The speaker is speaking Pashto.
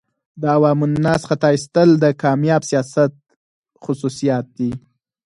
د عوام الناس خطا ایستل د کامیاب سیاست خصوصیات دي.